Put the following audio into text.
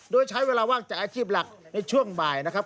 โดยใช้เวลาว่างจากอาชีพหลักในช่วงบ่ายนะครับ